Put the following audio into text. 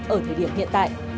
ở thời điểm hiện tại